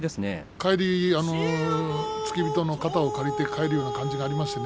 帰りに付け人の肩を借りて帰るような感じでしたね